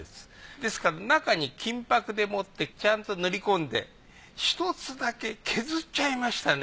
ですから中に金箔でもってちゃんと塗り込んで１つだけ削っちゃいましたね